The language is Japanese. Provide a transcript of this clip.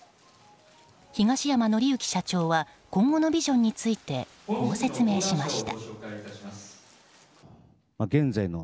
東山紀之社長は今後のビジョンについてこう説明しました。